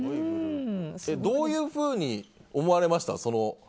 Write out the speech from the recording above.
どういうふうに思われました？